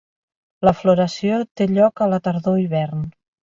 La floració té lloc a la tardor-hivern.